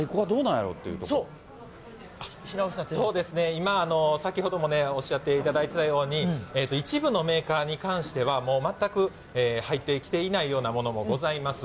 今、先ほどもおっしゃっていただいてたように、一部のメーカーに関しては、もう全く入ってきていないようなものもございます。